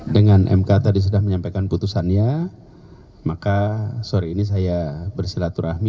dengan mk tadi sudah menyampaikan putusannya maka sore ini saya bersilaturahmi